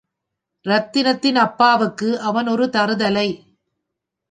ரத்தினத்தின் அப்பாவுக்கு அவன் ஒரு தறுதலை.